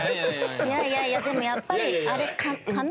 いやいやいやでもやっぱりあれ。